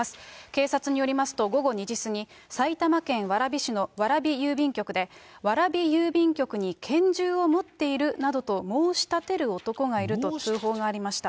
警察によりますと、午後２時過ぎ、埼玉県蕨市の蕨郵便局で、蕨郵便局に拳銃を持っているなどと申し立てる男がいると通報がありました。